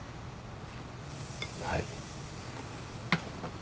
はい。